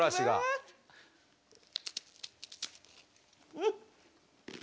うん！